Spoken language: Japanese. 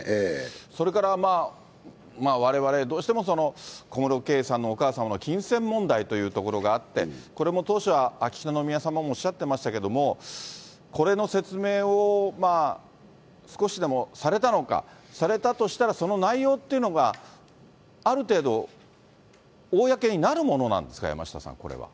それから、われわれ、どうしても小室圭さんのお母様の金銭問題というところがあって、これも当初は、秋篠宮さまもおっしゃってましたけども、これの説明を少しでもされたのか、されたとしたら、その内容っていうのが、ある程度公になるものなんですか、山下さん、これは。